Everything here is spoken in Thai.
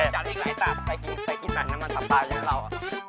จัดอีกหลายตัดใครกินตัดน้ำมันสับปลาเยอะนะเรา